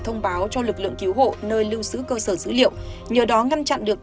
thông báo cho lực lượng cứu hộ nơi lưu giữ cơ sở dữ liệu nhờ đó ngăn chặn được